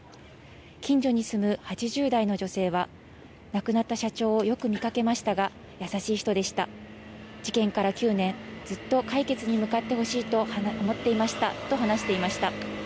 近所に住む８０代の女性は、亡くなった社長をよく見かけましたが、優しい人でした、事件から９年、ずっと解決に向かってほしいと思っていましたと話していました。